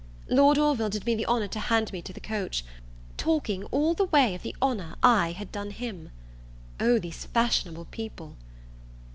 Lord Orville did me the honour to hand me to the coach, talking all the way of the honour I had done him! O these fashionable people!